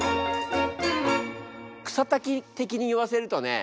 草滝的に言わせるとね